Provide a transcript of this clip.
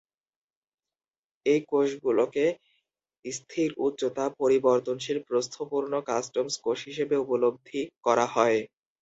এই কোষগুলোকে স্থির-উচ্চতা, পরিবর্তনশীল-প্রস্থ পূর্ণ- কাস্টমস কোষ হিসেবে উপলব্ধি করা হয়।